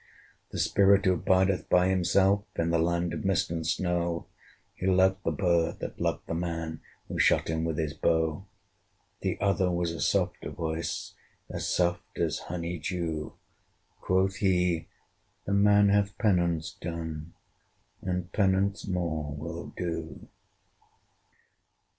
"The spirit who bideth by himself In the land of mist and snow, He loved the bird that loved the man Who shot him with his bow." The other was a softer voice, As soft as honey dew: Quoth he, "The man hath penance done, And penance more will do."